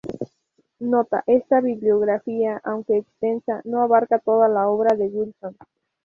Nota: esta bibliografía, aunque extensa, no abarca toda la obra de Wilson.